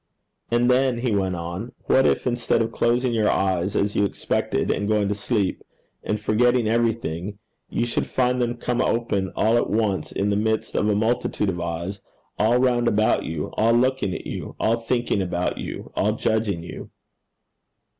'And then,' he went on, 'what if, instead of closing your eyes, as you expected, and going to sleep, and forgetting everything, you should find them come open all at once, in the midst of a multitude of eyes all round about you, all looking at you, all thinking about you, all judging you?